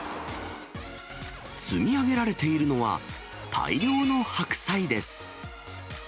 積み上げられているのは、大量の白菜です。